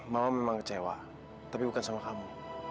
mama memang kecewa tapi bukan sama kamu